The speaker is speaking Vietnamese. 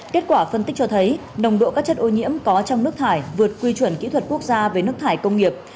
kết quả phân tích cho thấy nồng độ các chất ô nhiễm có trong nước thải vượt quy chuẩn kỹ thuật quốc gia về nước thải công nghiệp